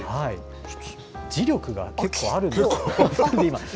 磁力が結構あるんです。